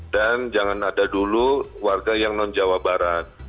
dan jangan ada dulu warga yang non jawa barat